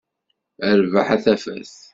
Rrbeḥ a tafat.